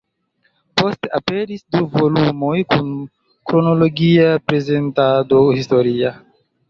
Poste aperis du volumoj kun kronologia prezentado historia.